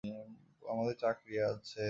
আমাদের চাকরি আছে।